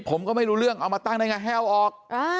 ผมก็ไม่รู้เรื่องเอามาตั้งได้ไงแห้วออก